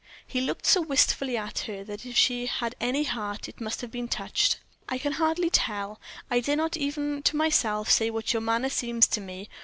He looked so wistfully at her that, if she had had any heart, it must have been touched. "I can hardly tell I dare not even to myself say what your manner seems to me.